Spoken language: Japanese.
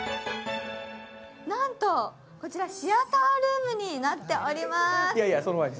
なんと、こちらシアタールームになっております。